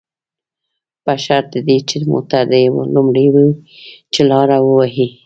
په شرط د دې چې موټر دې لومړی وي، چې لاره ووهي.